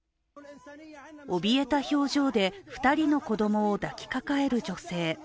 おびえた表情で２人の子供を抱きかかえる女性。